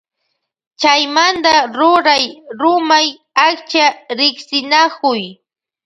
Chaymanta ruray rumay achka riksinakuy.